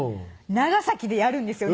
長崎でやるんですよ